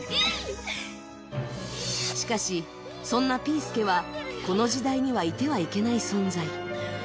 しかし、そんなピー助はこの時代にはいてはいけない存在。